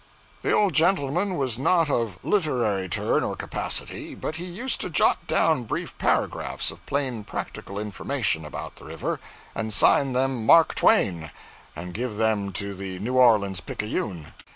The old gentleman was not of literary turn or capacity, but he used to jot down brief paragraphs of plain practical information about the river, and sign them 'Mark Twain,' and give them to the 'New Orleans Picayune.'